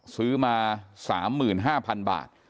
ซื้อมา๓๕๐๐๐บาท